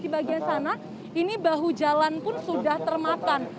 di bagian sana ini bahu jalan pun sudah termakan